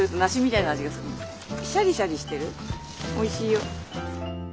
おいしいよ。